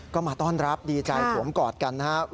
ก็มาต้อนรับดีใจสวมกอดกันนะครับ